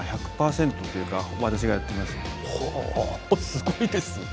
ほうすごいですね。